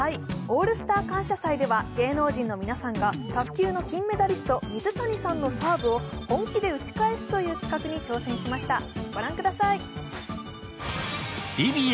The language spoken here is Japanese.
「オールスター感謝祭」では芸能人の皆さんが芸能人の皆さんが水谷さんのサーブを本気で打ち返すという企画に挑戦しました。